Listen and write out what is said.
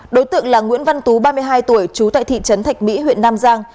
đối tượng là nguyễn văn tú ba mươi hai tuổi trú tại thị trấn thạch mỹ huyện nam giang